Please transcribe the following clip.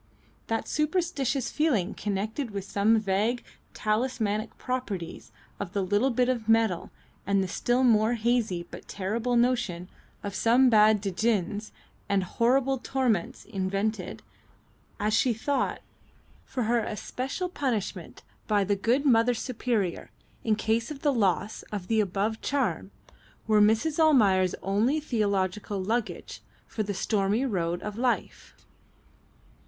That superstitious feeling connected with some vague talismanic properties of the little bit of metal, and the still more hazy but terrible notion of some bad Djinns and horrible torments invented, as she thought, for her especial punishment by the good Mother Superior in case of the loss of the above charm, were Mrs. Almayer's only theological luggage for the stormy road of life.